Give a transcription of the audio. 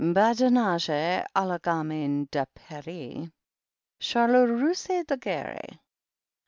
Badinage a la gamin de Paris. Charlotte ruse de guerre.